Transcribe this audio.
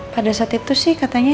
pada saat itu sih katanya